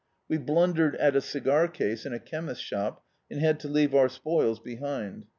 We blundered at a cigar case in a chemist shop, and had to l(!ave our spoils behind.